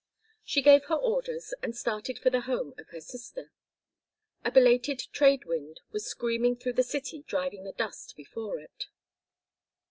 She gave her orders and started for the home of her sister. A belated trade wind was screaming through the city driving the dust before it.